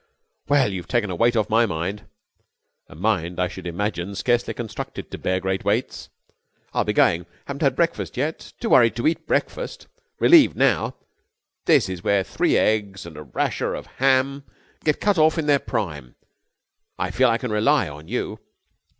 "Well, you've taken a weight off my mind." "A mind, I should imagine, scarcely constructed to bear great weights." "I'll be going. Haven't had breakfast yet. Too worried to eat breakfast. Relieved now. This is where three eggs and a rasher of ham get cut off in their prime. I feel I can rely on you."